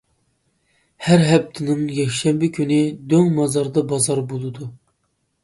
ھەر ھەپتىنىڭ يەكشەنبە كۈنى دۆڭمازاردا بازار بولىدۇ.